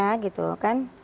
yang dari pihak mereka